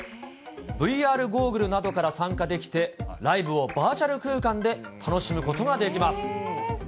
ＶＲゴーグルなどから参加できて、ライブをバーチャル空間で楽しむことができます。